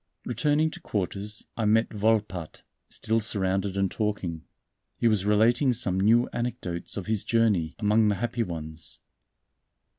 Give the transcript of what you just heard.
Returning to quarters I met Volpatte, still surrounded and talking. He was relating some new anecdotes of his journey among the happy ones.